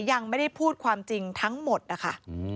ยังไม่ได้พูดความจริงทั้งหมดนะคะ